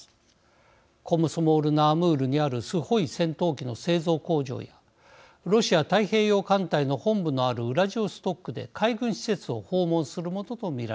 コムソモール・ナ・アムールにあるスホイ戦闘機の製造工場やロシア太平洋艦隊の本部のあるウラジオストクで海軍施設を訪問するものと見られます。